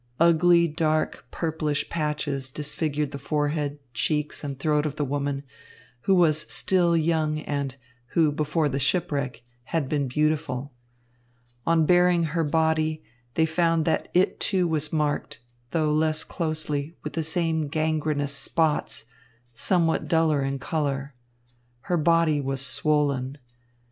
Ugly, dark, purplish patches disfigured the forehead, cheeks, and throat of the woman, who was still young and who, before the shipwreck, had been beautiful. On baring her body, they found that it, too, was marked, though less closely, with the same gangrenous spots, somewhat duller in colour. Her body was swollen.